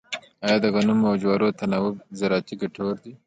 آیا د غنمو او جوارو تناوب زراعتي ګټور دی؟